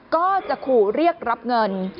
ก็จะขู่เรียกรับเงิน